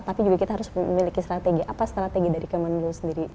tapi juga kita harus memiliki strategi apa strategi dari kemenlu sendiri